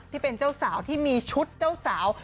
ที่เป็นเจ้าสาวที่มีชุดเจ้าสาว